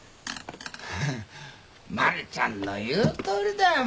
茉莉ちゃんの言うとおりだよ。